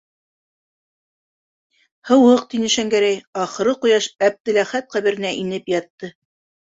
Һыуыҡ, - тине Шәңгәрәй, - ахыры ҡояш Әптеләхәт ҡәберенә инеп ятты.